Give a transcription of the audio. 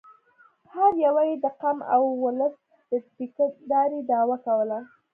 هر یوه یې د قام او اولس د ټیکه دارۍ دعوه کوله.